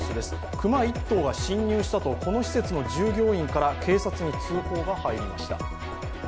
熊１頭が侵入したと、この施設の従業員から警察に通報が入りました。